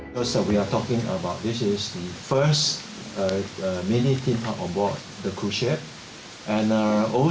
jika anda berada di atas kapal anda akan melihat roller coaster